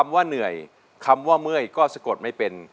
ว่าเหนื่อยคำว่าเมื่อยก็สะกดไม่เป็น